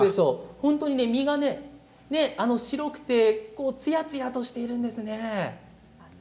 本当に身が白くてつやつやとしているんですね。